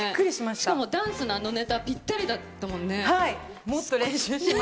しかも、ダンスのあのネタ、ぴったりだったもんね。